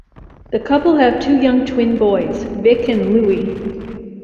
The couple have two young twin boys - Vic and Louie.